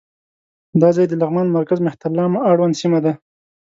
دا ځای د لغمان مرکز مهترلام اړوند سیمه ده.